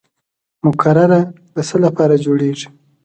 مقرره د څه لپاره جوړیږي؟